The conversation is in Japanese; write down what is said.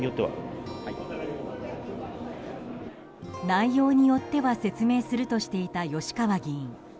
内容によっては説明するとしていた吉川議員。